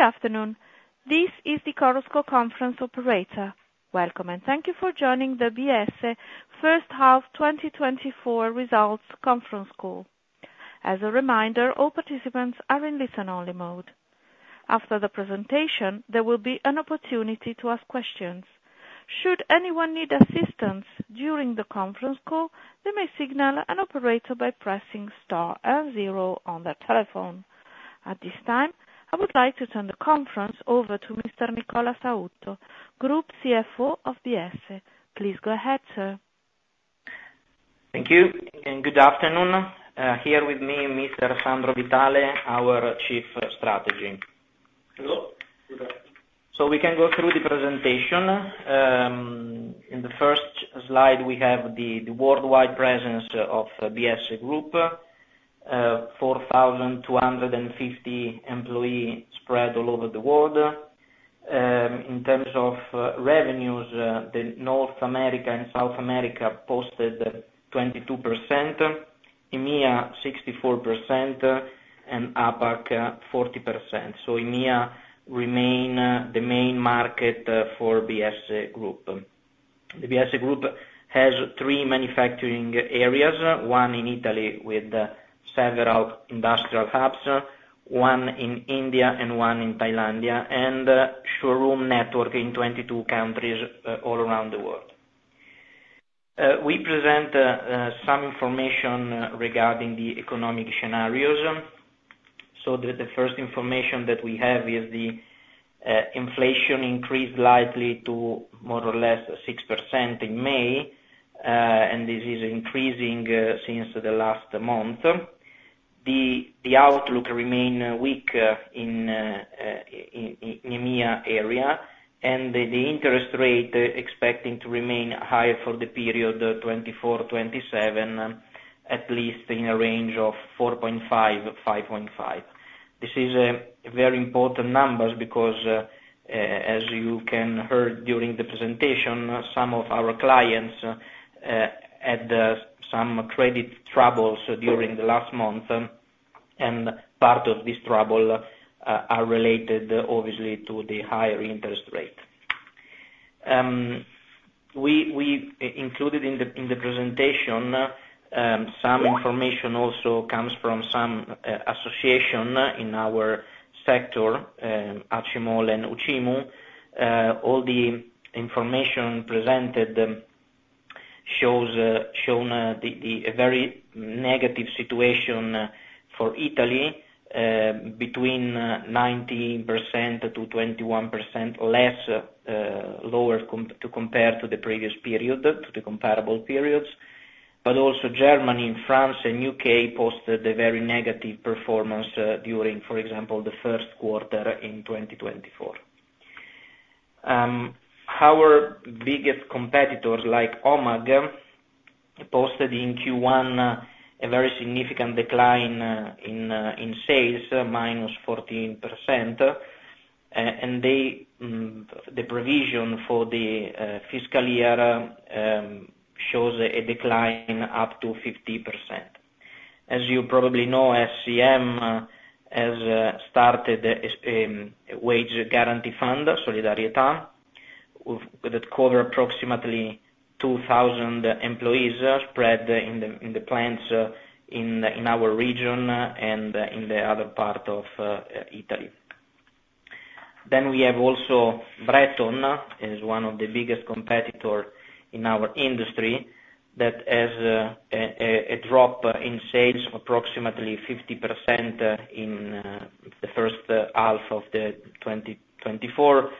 Good afternoon. This is the Chorus Call Conference operator. Welcome, and thank you for joining the Biesse first half 2024 results conference call. As a reminder, all participants are in listen-only mode. After the presentation, there will be an opportunity to ask questions. Should anyone need assistance during the conference call, they may signal an operator by pressing star and zero on their telephone. At this time, I would like to turn the conference over to Mr. Nicola Sautto, Group CFO of Biesse. Please go ahead, sir. Thank you, and good afternoon. Here with me, Mr. Sandro Vitale, our Chief Strategy. Hello, good afternoon. We can go through the presentation. In the first slide, we have the worldwide presence of Biesse Group, 4,250 employees spread all over the world. In terms of revenues, the North America and South America posted 22%, EMEA 64%, and APAC 40%. EMEA remain the main market for Biesse Group. The Biesse Group has three manufacturing areas, one in Italy with several industrial hubs, one in India and one in Thailand, and a showroom network in 22 countries all around the world. We present some information regarding the economic scenarios. The first information that we have is the inflation increased likely to more or less 6% in May, and this is increasing since the last month. The outlook remain weak in EMEA area, and the interest rate expecting to remain high for the period 2024-2027, at least in a range of 4.5-5.5. This is very important numbers because as you can heard during the presentation, some of our clients had some credit troubles during the last month, and part of this trouble are related obviously to the higher interest rate. We included in the presentation some information also comes from some association in our sector, ACIMALL and UCIMU. All the information presented shows a very negative situation for Italy between 19% to 21% less lower compared to the previous period to the comparable periods. But also Germany and France and U.K. posted a very negative performance during for example the first quarter in 2024. Our biggest competitors like HOMAG posted in Q1 a very significant decline in sales -14%. And their provision for the fiscal year shows a decline up to 50%. As you probably know, SCM has started wage guarantee fund, Solidarietà, that cover approximately 2000 employees spread in the plants in our region and in the other part of Italy. Then we have also Breton is one of the biggest competitor in our industry that has a drop in sales of approximately 50% in the first half of 2024r,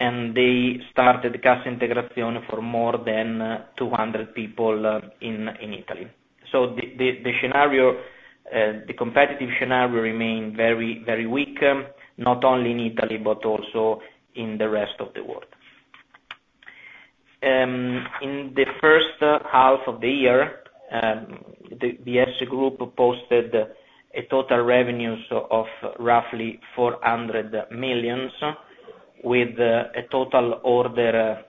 and they started the Cassa Integrazione for more than 200 people in Italy. So the scenario, the competitive scenario remain very, very weak, not only in Italy, but also in the rest of the world. In the first half of the year, the Biesse Group posted a total revenues of roughly 400 million, with a total order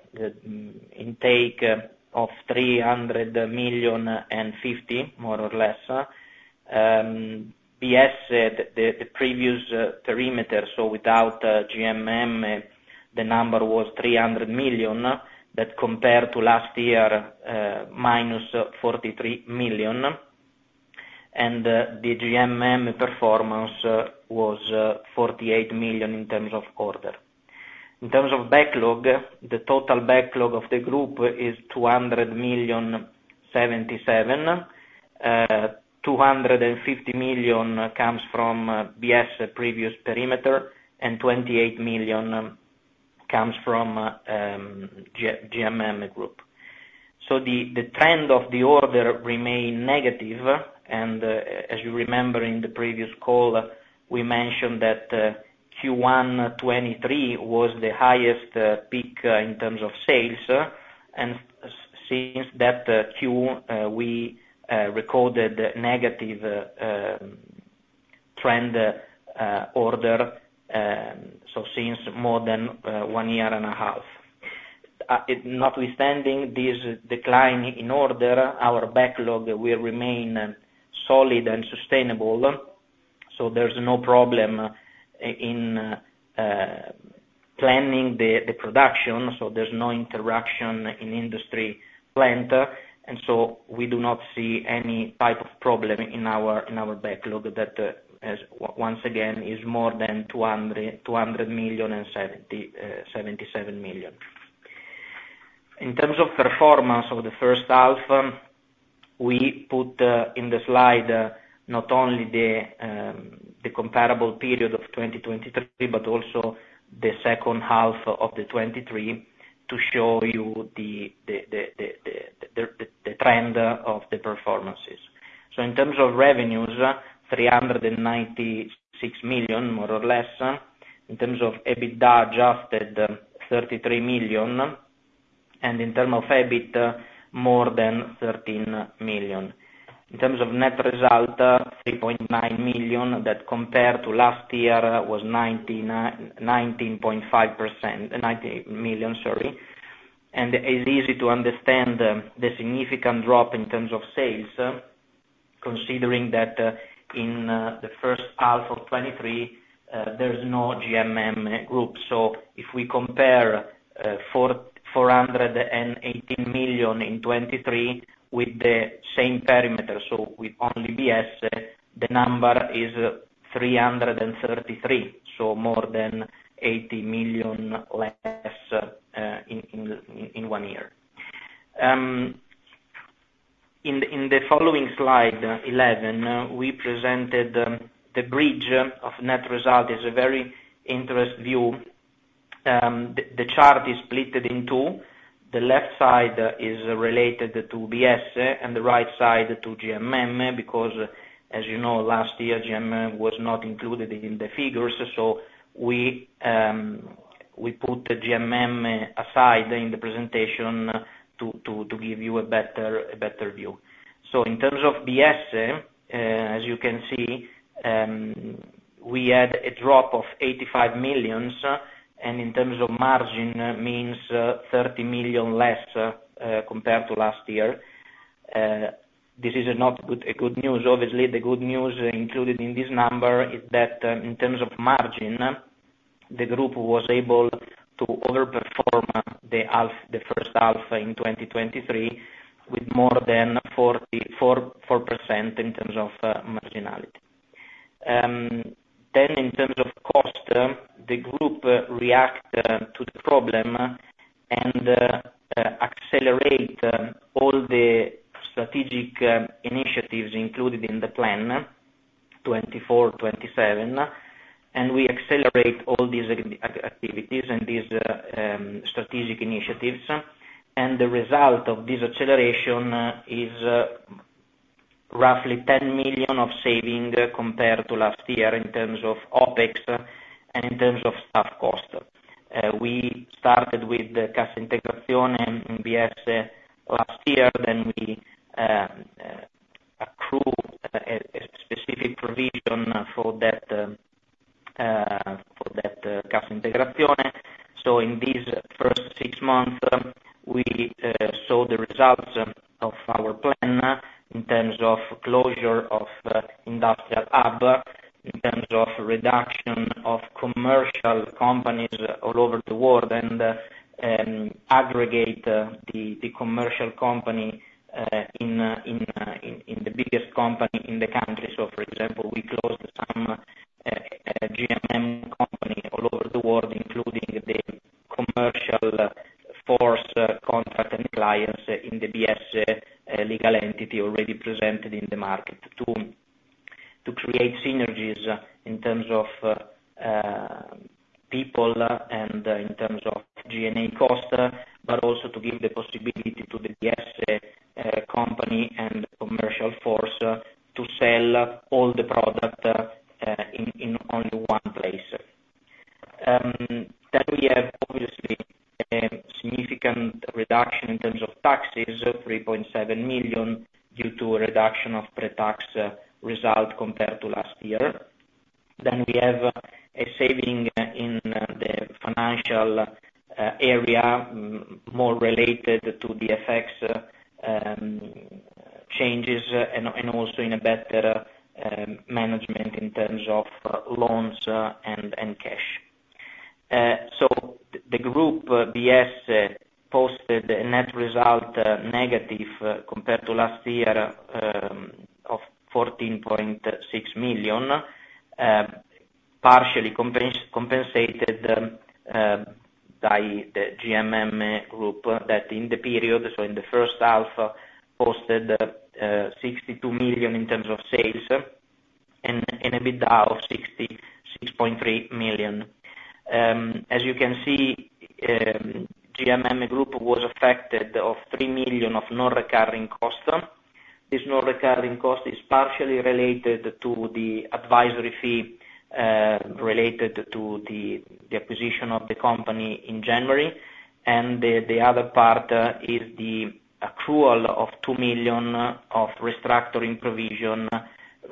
intake of 300 million and 50 million, more or less. Biesse, the previous perimeter, so without GMM, the number was 300 million that compared to last year, minus 43 million. And, the GMM performance was €48 million in terms of order. In terms of backlog, the total backlog of the group is €277 million. €250 million comes from Biesse previous perimeter, and €28 million comes from GMM Group. So the trend of the order remain negative, and as you remember in the previous call, we mentioned that Q1 2023 was the highest peak in terms of sales. And since that Q we recorded negative trend order so since more than one year and a half. Notwithstanding this decline in order, our backlog will remain solid and sustainable, so there's no problem in planning the production, so there's no interruption in industry plant, and so we do not see any type of problem in our backlog that, as once again, is more than €277 million. In terms of performance of the first half, we put in the slide not only the comparable period of 2023, but also the second half of 2023 to show you the trend of the performances. So in terms of revenues, 396 million, more or less, in terms of EBITDA, adjusted 33 million, and in terms of EBIT, more than 13 million. In terms of net result, €3.9 million, that compared to last year, was 19.5%, €90 million, sorry. It's easy to understand the significant drop in terms of sales, considering that in the first half of 2023, there's no GMM Group. So if we compare €418 million in 2023 with the same parameter, so with only Biesse, the number is €333 million, so more than €80 million less in one year. In the following slide 11, we presented the bridge of net result. It's a very interesting view. The chart is split in two. The left side is related to Biesse, and the right side to GMM, because, as you know, last year, GMM was not included in the figures, so we put the GMM aside in the presentation to give you a better view. So in terms of Biesse, as you can see, we had a drop of 85 million, and in terms of margin, means, thirty million less compared to last year. This is not good news. Obviously, the good news included in this number is that, in terms of margin, the group was able to overperform the first half in 2023, with more than 44.4% in terms of marginality. Then in terms of cost, the Group react to the problem, and accelerate all the strategic initiatives included in the 2024-2027 plan, and we accelerate all these activities and these strategic initiatives. And the result of this acceleration is roughly €10 million of saving compared to last year in terms of OpEx and in terms of staff cost. We started with the Cassa Integrazione in Biesse last year, then we accrue a specific provision for that Cassa Integrazione. So in this first six months, we saw the results of our plan in terms of closure of industrial hub, in terms of reduction of commercial companies all over the world, and aggregate the commercial company in the biggest company in the country. So for example, we closed some GMM companies all over the world, including the commercial force, contracts, and clients in the Biesse legal entity already presented in the market, to create synergies in terms of people, and in terms of G&A cost, but also to give the possibility to the Biesse company and commercial force to sell all the product in only one place. Then we have, obviously, a significant reduction in terms of taxes, EUR 3.7 million, due to a reduction of pre-tax result compared to last year. Then we have a saving in the financial area, more related to the effects of changes, and also in a better management in terms of loans and cash. So the group Biesse posted a net result negative compared to last year of 14.6 million, partially compensated by the GMM Group, that in the period, so in the first half, posted 62 million in terms of sales, and EBITDA of 66.3 million. As you can see, GMM Group was affected by 3 million of non-recurring costs. This non-recurring cost is partially related to the advisory fee related to the acquisition of the company in January, and the other part is the accrual of 2 million of restructuring provision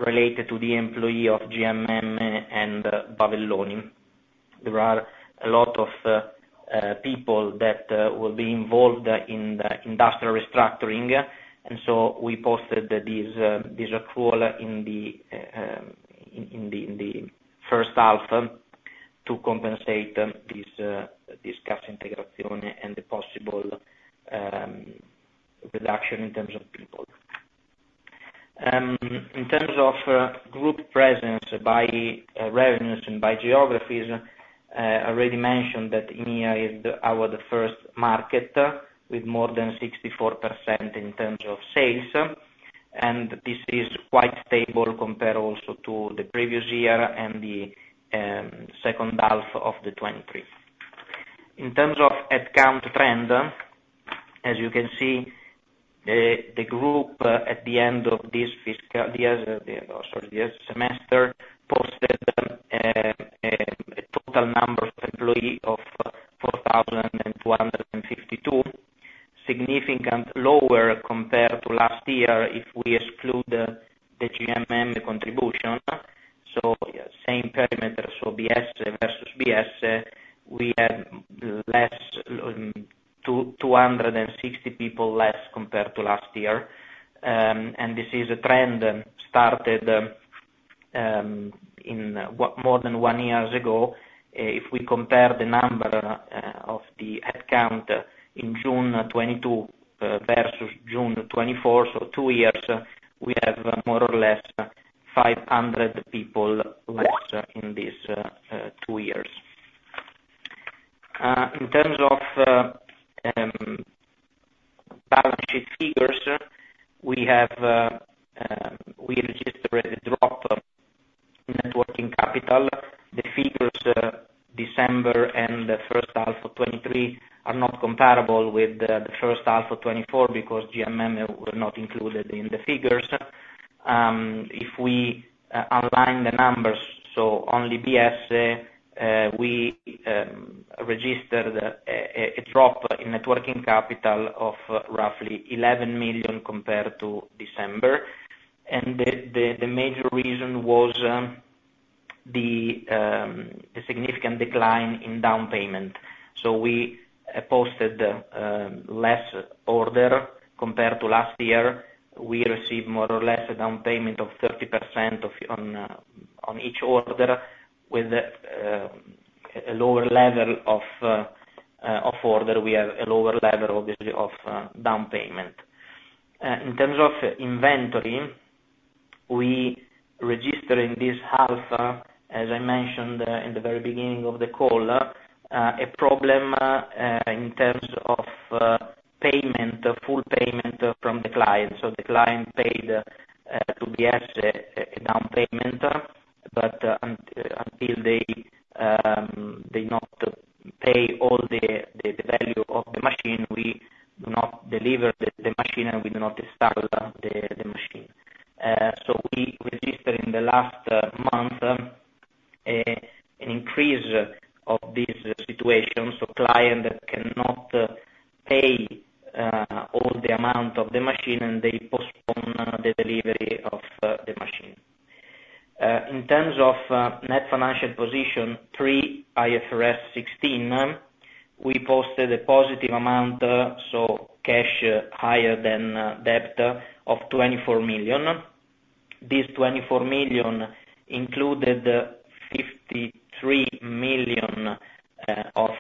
related to the employee of GMM and Bavelloni. There are a lot of people that will be involved in the industrial restructuring, and so we posted these accrual in the first half to compensate this cassa integrazione and the possible reduction in terms of people. In terms of group presence by revenues and by geographies, I already mentioned that EMEA is our first market, with more than 64% in terms of sales, and this is quite stable compared also to the previous year and the second half of the 2023. In terms of headcount trend, as you can see, the group at the end of this fiscal year, the year semester, posted a total number of employees of 4,252. Significantly lower compared to last year, if we exclude the GMM contribution, so same parameter, so BS versus BS, we have 260 people less compared to last year. This is a trend started more than one year ago. If we compare the number of the headcount in June 2022 versus June 2024, so two years, we have more or less 500 people less in these two years. In terms of balance sheet figures, we registered a drop in net working capital. The figures, December and the first half of 2023 are not comparable with the first half of 2024, because GMM were not included in the figures. If we align the numbers, so only BS, we registered a drop in net working capital of roughly 11 million compared to December. The major reason was a significant decline in down payment. So we posted less order compared to last year. We received more or less a down payment of 30% of on each order with a lower level of order. We have a lower level, obviously, of down payment. In terms of inventory, we register in this half, as I mentioned, in the very beginning of the call, a problem in terms of payment, full payment from the client. So the client paid to Biesse a down payment, but until they not pay all the value of the machine, we do not deliver the machine, and we do not install the machine. So we registered in the last month an increase of this situation, so client cannot pay all the amount of the machine, and they postpone the delivery of the machine. In terms of net financial position net of IFRS 16, we posted a positive amount, so cash higher than debt of 24 million. This 24 million included 53 million of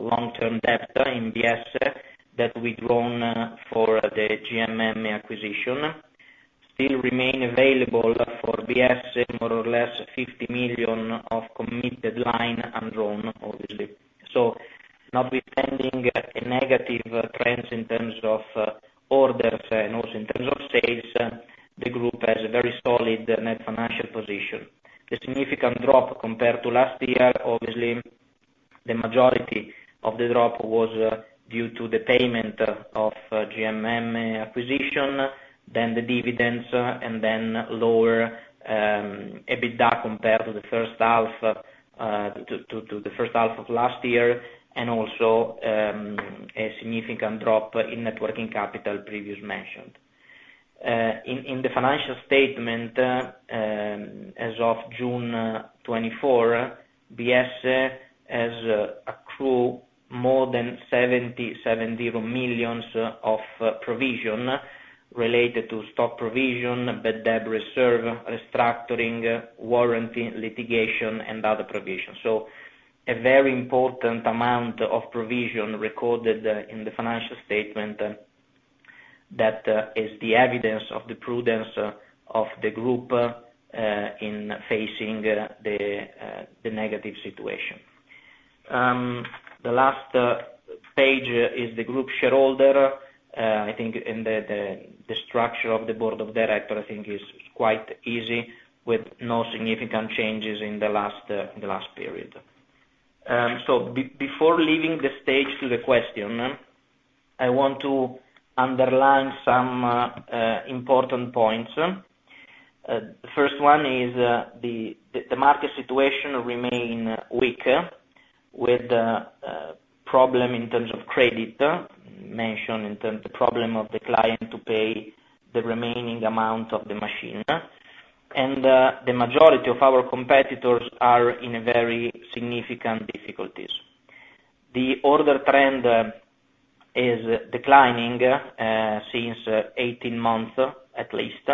long-term debt in BS that we'd loan for the GMM acquisition. Still remain available for BS, more or less 50 million of committed line and loan, obviously. So notwithstanding a negative trends in terms of orders and also in terms of sales the group has a very solid net financial position. The significant drop compared to last year, obviously, the majority of the drop was due to the payment of GMM acquisition, then the dividends and then lower EBITDA compared to the first half to the first half of last year, and also a significant drop in net working capital previously mentioned. In the financial statement as of June 2024, Biesse has accrued more than 70 million of provision related to stock provision, bad debt reserve, restructuring, warranty, litigation, and other provisions. So a very important amount of provision recorded in the financial statement that is the evidence of the prudence of the group in facing the negative situation. The last page is the group shareholder. I think in the structure of the board of director is quite easy, with no significant changes in the last period. So before leaving the stage to the question, I want to underline some important points. The first one is the market situation remain weaker, with problem in terms of credit, mentioned in terms of the problem of the client to pay the remaining amount of the machine, and the majority of our competitors are in a very significant difficulties. The order trend is declining since 18 months, at least,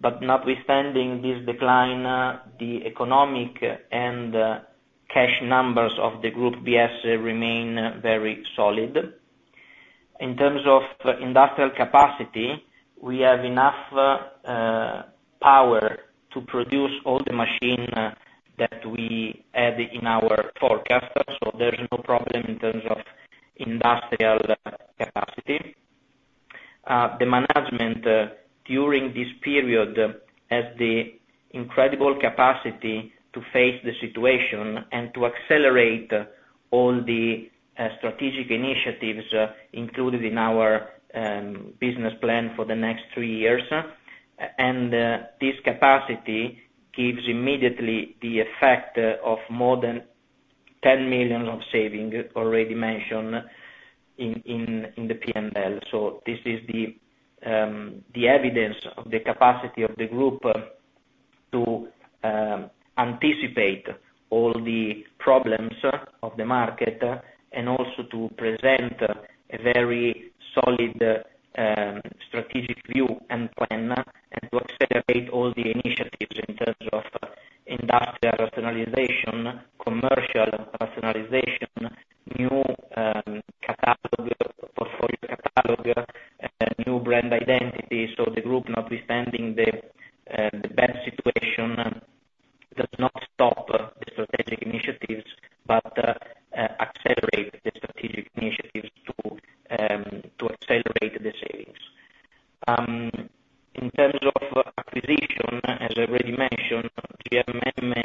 but notwithstanding this decline, the economic and cash numbers of the Biesse Group remain very solid. In terms of industrial capacity, we have enough power to produce all the machine that we had in our forecast, so there's no problem in terms of industrial capacity. The management during this period has the incredible capacity to face the situation and to accelerate all the strategic initiatives included in our business plan for the next three years, and this capacity gives immediately the effect of more than 10 million of saving, already mentioned in the P&L, so this is the evidence of the capacity of the group to anticipate all the problems of the market and also to present a very solid strategic view and plan and to accelerate all the initiatives in terms of industrial personalization, ...commercial personalization, new catalog, portfolio catalog, new brand identity, so the group, notwithstanding the bad situation, does not stop the strategic initiatives, but accelerate the strategic initiatives to accelerate the sales. In terms of acquisition, as I already mentioned, GMM posted more than EUR 60 million in terms of sales. This is a very positive result in terms of an impact, more than EUR 6 million. At the end of the year, the acquisition will bring to the Biesse Group more than EUR 100 million in sales. The last point is the outlook of the next six months. As you probably know, our business is quite stable during the year, so the P&L of the first half will be more or less the same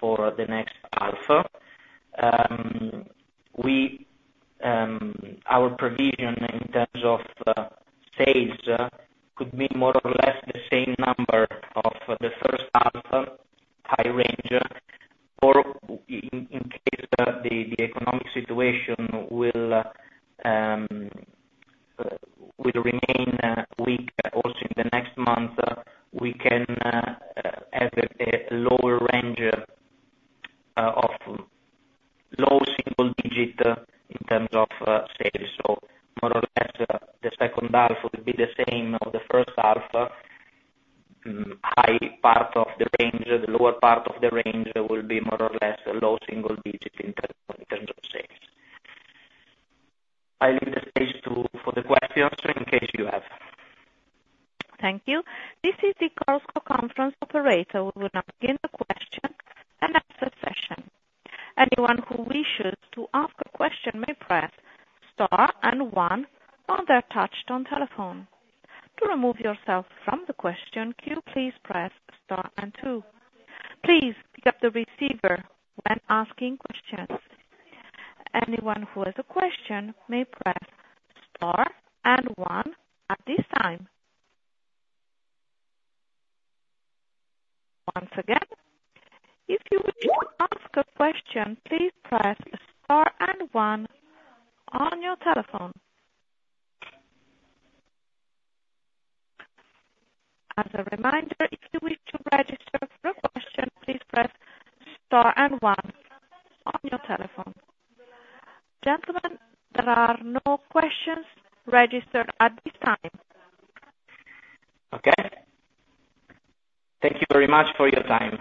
for the next half. Our provision in terms of sales could be more or less the same number of the first half, high range, or in case the economic situation will remain weak also in the next month, we can have a lower range of low single digit in terms of sales. So more or less, the second half will be the same of the first half, high part of the range. The lower part of the range will be more or less a low single digit in terms of sales. I leave the stage for the questions, in case you have. Thank you. This is the Chorus Call conference operator. We will now begin the question and answer session. Anyone who wishes to ask a question may press star and one on their touchtone telephone. To remove yourself from the question queue, please press star and two. Please pick up the receiver when asking questions. Anyone who has a question may press star and one at this time. Once again, if you wish to ask a question, please press star and one on your telephone. As a reminder, if you wish to register for a question, please press star and one on your telephone. Gentlemen, there are no questions registered at this time. Okay. Thank you very much for your time.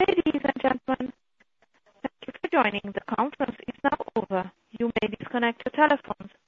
Ladies and gentlemen, thank you for joining. The conference is now over. You may disconnect your telephones. Thank you.